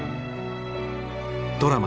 ドラマ